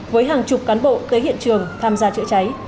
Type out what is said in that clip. với hàng chục cán bộ tới hiện trường tham gia chữa cháy